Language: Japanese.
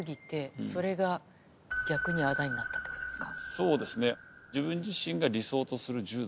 そうですね。